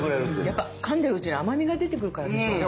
やっぱかんでるうちに甘みが出てくるからでしょうね